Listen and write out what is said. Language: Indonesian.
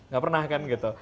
gak pernah kan gitu